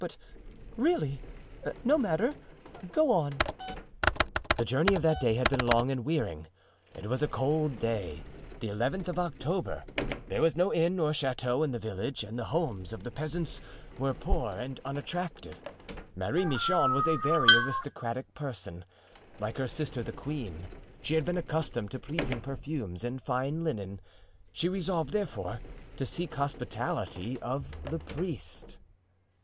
But really—No matter, go on." "The journey of that day had been long and wearing; it was a cold day, the eleventh of October, there was no inn or chateau in the village and the homes of the peasants were poor and unattractive. Marie Michon was a very aristocratic person; like her sister the queen, she had been accustomed to pleasing perfumes and fine linen; she resolved, therefore, to seek hospitality of the priest."